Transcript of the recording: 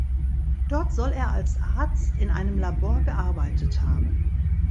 Dort soll er als Arzt in einem Labor gearbeitet haben.